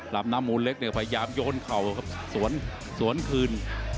ดั่งหน้าหมูเล็กเนี่ยพยายามโยนเขาครับสวนคืน